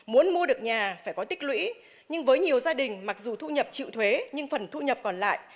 muốn mua được nhà phải có tích lũy nhưng với nhiều gia đình mặc dù thu nhập chịu thuế nhưng phần thu nhập còn lại